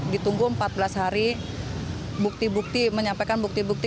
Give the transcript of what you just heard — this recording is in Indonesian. ditunggu empat belas hari bukti bukti menyampaikan bukti bukti